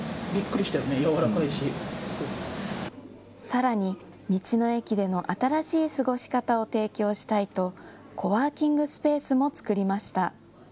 さらに道の駅での新しい過ごし方を提供したいとコワーキングスペースも作りました。